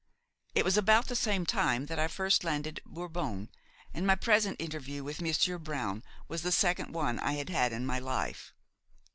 It was about the same time that I first landed at Bourbon, and my present interview with Monsieur Brown was the second one I had had in my life.